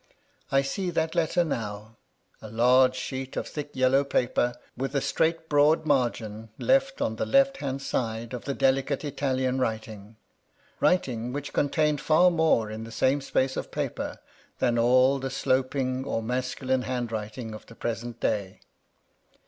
I see that letter now : a large sheet of thick yellow paper, with a straight broad margin left on the left hand side of the delicate Italian writing, — writing which contained far more in the same space of paper than all the sloping, or masculine hand writings of the present day.